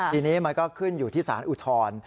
ทีนี้มันก็ขึ้นอยู่ที่สารอุทธรณ์